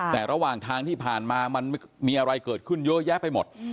แต่ระหว่างทางที่ผ่านมามันมีอะไรเกิดขึ้นเยอะแยะไปหมด